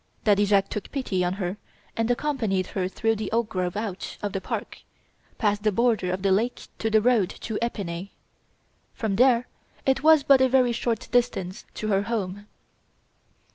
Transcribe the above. Daddy Jacques took pity on her and accompanied her through the oak grove out of the park, past the border of the lake to the road to Epinay. From there it was but a very short distance to her home.